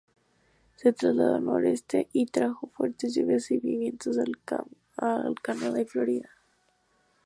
Se trasladó al noroeste y trajo fuertes lluvias y vientos a Cuba y Florida.